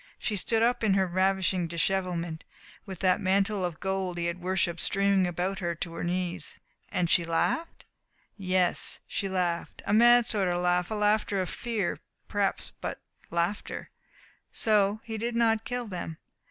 She stood up in her ravishing dishevelment, with that mantle of gold he had worshipped streaming about her to her knees, and she laughed? Yes, she laughed a mad sort of laugh; a laughter of fear, perhaps but laughter. So he did not kill them.